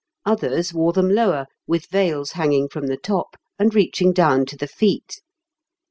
Others wore them lower, with veils hanging from the top, and reaching down to the feet.